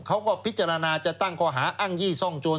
เขาก็พิจารณาจะตั้งข้อหาอ้างยี่ซ่องโจร